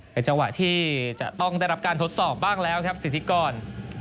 เป็นจังหวะที่จะต้องได้รับการทดสอบบ้างแล้วครับสิทธิกร